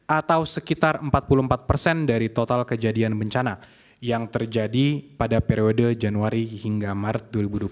atau sekitar empat puluh empat dari total kejadian bencana yang terjadi pada periode januari hingga maret